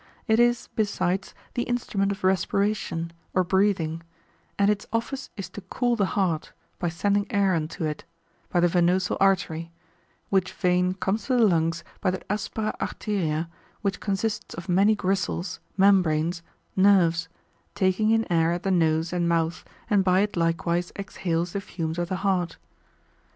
It is, besides, the instrument of respiration, or breathing; and its office is to cool the heart, by sending air unto it, by the venosal artery, which vein comes to the lungs by that aspera arteria which consists of many gristles, membranes, nerves, taking in air at the nose and mouth, and by it likewise exhales the fumes of the heart.